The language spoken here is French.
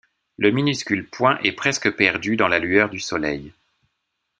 Le minuscule point est presque perdu dans la lueur du Soleil.